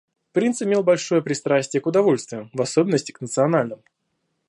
Принц имел большое пристрастие к удовольствиям, в особенности к национальным.